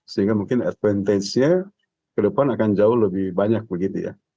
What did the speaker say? sehingga mungkin advantage nya ke depan akan jauh lebih banyak begitu ya